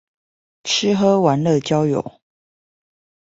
吃喝玩樂交友